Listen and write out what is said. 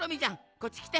こっちきて。